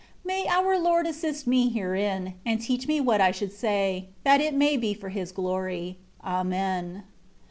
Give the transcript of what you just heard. May our Lord assist me herein, and teach me what I should say, that it may be for His glory. Amen.